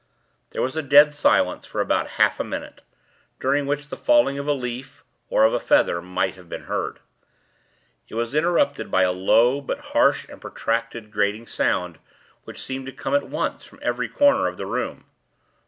There was a dead silence for about half a minute, during which the falling of a leaf, or of a feather, might have been heard. It was interrupted by a low, but harsh and protracted grating sound which seemed to come at once from every corner of the room.